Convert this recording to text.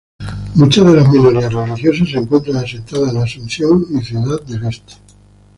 Muchas de las minorías religiosas se encuentran asentadas en Asunción y Ciudad del Este.